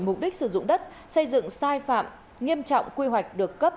mục đích sử dụng đất xây dựng sai phạm nghiêm trọng quy hoạch được cấp